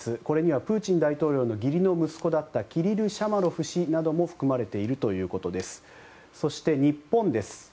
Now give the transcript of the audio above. これにはプーチン大統領の義理の息子だったキリル・シャマロフ氏なども含まれているということです。